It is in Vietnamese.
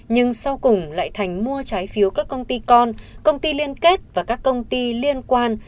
nhưng sau cùng lại thành mua trái phiếu các công ty con công ty liên kết và các công ty liên quan